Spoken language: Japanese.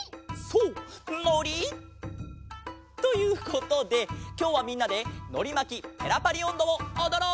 そうのり！ということできょうはみんなで「のりまきペラパリおんど」をおどろう！